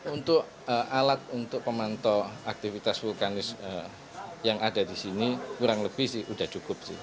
untuk alat untuk pemantau aktivitas vulkanis yang ada di sini kurang lebih sih sudah cukup sih